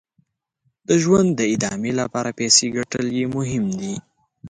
د ژوند د ادامې لپاره پیسې ګټل یې مهم دي.